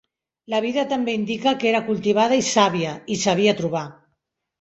La vida també indica que era cultivada i sàvia i sabia trobar.